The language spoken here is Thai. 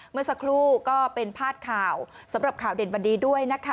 เมื่อสักครู่ก็เป็นพาดข่าวสำหรับข่าวเด่นวันนี้ด้วยนะคะ